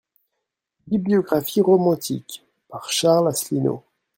BIBLIOGRAPHIE ROMANTIQUE, par Charles Asselineau.